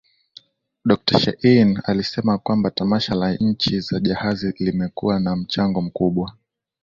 Dokta Shein alisema kwamba Tamasha la Nchi za jahazi limekuwa na mchango mkubwa